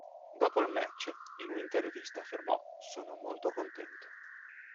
Dopo il match, in un'intervista affermò: "Sono molto contento.